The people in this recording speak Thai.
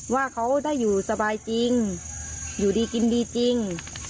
ว่าเขาได้อยู่สบายจริงอยู่ดีกินดีจริง